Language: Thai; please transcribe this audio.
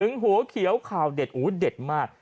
ถึงหัวเขียวขาวเด็ดโอ้โฮเด็ดมาก